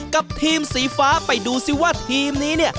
กับทีมสีฟ้าไปดูสิว่าทีมนี้เนี่ย